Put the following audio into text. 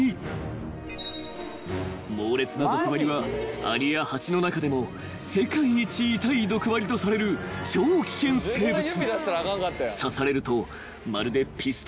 ［猛烈な毒針はアリや蜂の中でも世界一痛い毒針とされる超危険生物］